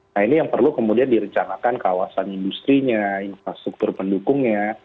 nah ini yang perlu kemudian direcanakan kawasan industrinya infrastruktur pendukungnya